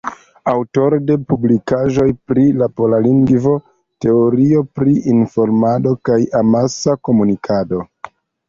Aŭtoro de publikaĵoj pri la pola lingvo, teorio pri informado kaj amasa komunikado.